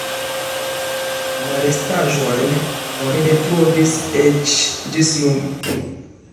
La restaĵojn oni ne trovis eĉ ĝis nun.